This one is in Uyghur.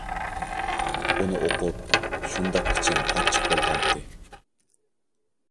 ئۇنى ئوقۇپ شۇنداق ئىچىم ئاچچىق بولغانتى.